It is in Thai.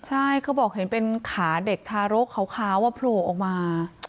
ใช่เขาบอกเห็นเป็นขาเด็กทารกขาวว่าโผล่ออกมา